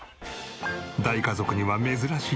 大家族には珍しい。